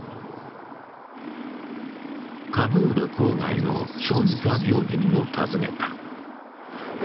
カブール郊外の小児科病院を訪ねた。